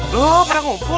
loh pada ngumpul